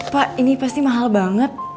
pak ini pasti mahal banget